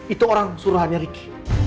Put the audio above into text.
itu orang suruhannya ricky